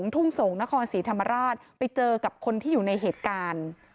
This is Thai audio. ทุ่งส่งนครศรีธรรมราชไปเจอกับคนที่อยู่ในเหตุการณ์